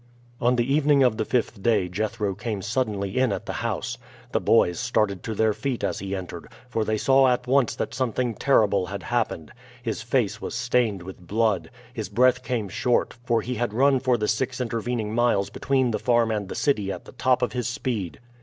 On the evening of the fifth day Jethro came suddenly in at the house. The boys started to their feet as he entered, for they saw at once that something terrible had happened. His face was stained with blood, his breath came short, for he had run for the six intervening miles between the farm and the city at the top of his speed.